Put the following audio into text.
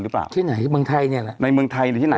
หรือเปล่าที่ไหนเมืองไทยเนี่ยแหละในเมืองไทยหรือที่ไหน